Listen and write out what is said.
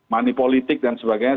manipolitik dan sebagainya